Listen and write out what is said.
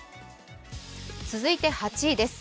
続いて８位です。